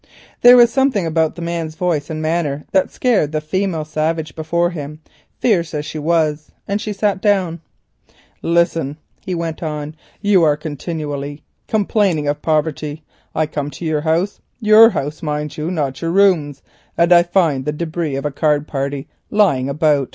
There was something about the man's voice and manner that scared the female savage before him, fierce as she was, and she sat down. "Listen," he went on, "you are continually complaining of poverty; I come to your house—your house, mind you, not your rooms, and I find the debris of a card party lying about.